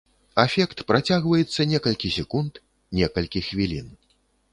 Афект працягваецца некалькі секунд, некалькі хвілін.